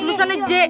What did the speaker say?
terus ada j